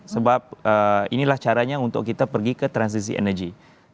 sebab inilah caranya untuk kita pergi ke transisi energi